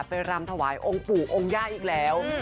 รำถวายองค์ปู่องค์ย่าอีกแล้ว